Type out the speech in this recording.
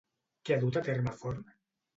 Què ha dut a terme Forn?